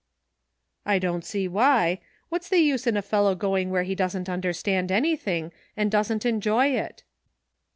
" I don't see why. What's the use in a fel low going where he doesn't understand any thing, and doesn't enjoy it?"